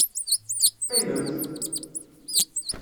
Qqimemt!